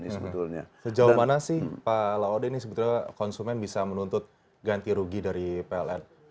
sejauh mana sih pak laode ini sebetulnya konsumen bisa menuntut ganti rugi dari pln